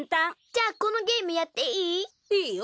じゃこのゲームやっていい？いいよ。